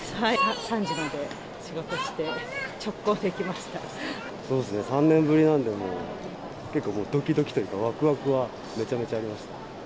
３時まで仕事して、そうですね、３年ぶりなんで、もう結構もうどきどきというか、わくわくはめちゃめちゃありますね。